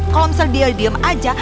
kalo misal dia diem aja